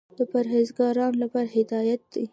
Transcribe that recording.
د پرهېزګارانو لپاره هدایت دى.